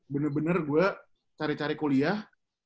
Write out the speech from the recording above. bener bener gue cari cari kuliah